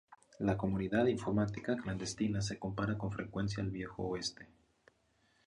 La comunidad informática clandestina se compara con frecuencia al Viejo Oeste.